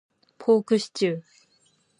ポークシチュー